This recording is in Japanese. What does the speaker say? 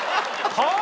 「はあ？」。